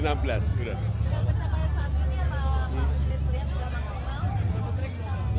yang kecapannya saat ini apa pak presiden melihat sudah maksimal